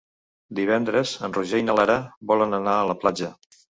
Divendres en Roger i na Lara volen anar a la platja.